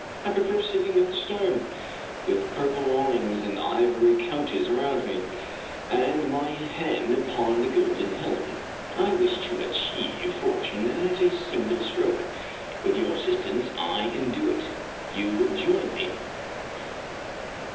I prefer sitting at the stem, with purple awnings 33 Irish Mystery Stories and ivory couches around me, and my hand upon the golden helm. I wish to achieve fortune at a single stroke. With your assistance I can do it. You will join me